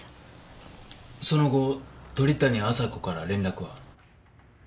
その後鳥谷亜沙子から連絡は？